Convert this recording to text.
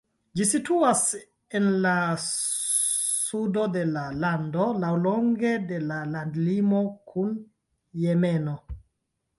Ĝi situas en la sudo de la lando laŭlonge de la landlimo kun Jemeno.